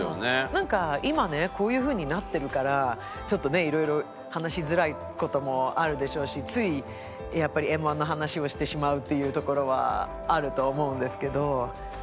なんか今ねこういう風になってるからちょっとねいろいろ話しづらい事もあるでしょうしついやっぱりＭ−１の話をしてしまうっていうところはあると思うんですけど。